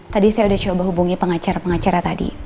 tadi saya sudah coba hubungi pengacara pengacara tadi